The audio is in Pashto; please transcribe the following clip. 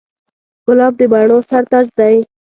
ګلاب د بڼو سر تاج دی.